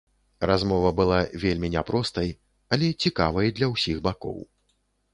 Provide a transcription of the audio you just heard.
Размова была вельмі не простай, але цікавай для ўсіх бакоў.